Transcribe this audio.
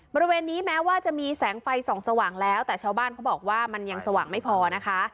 บริเวณนี้แม้ว่าจะมีแสงไฟส่องสว่างแล้วแต่ชาวบ้านเขาบอกว่ามันยังสว่างไม่พอนะคะ